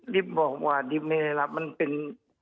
ดิ๊บบอกว่าดิ๊บไม่ได้รับมันเป็น